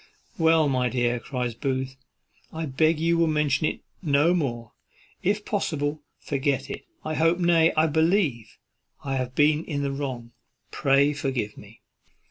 "Well, my dear," cries Booth, "I beg you will mention it no more; if possible, forget it. I hope, nay, I believe, I have been in the wrong; pray forgive me."